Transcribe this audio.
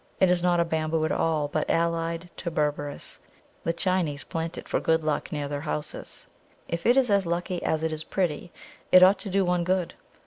It is not a Bamboo at all, but allied to Berberis; the Chinese plant it for good luck near their houses. If it is as lucky as it is pretty, it ought to do one good!